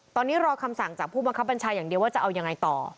ตอนนี้รอคำสั่งจากผู้บังคับบัญชาอย่างเดียวว่าจะเอายังไงต่อ